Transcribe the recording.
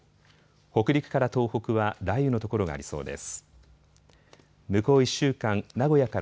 北陸から東北は雷雨のところがありそうです。